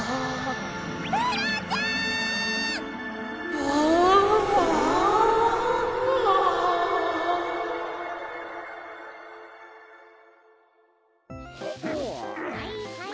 はいはい。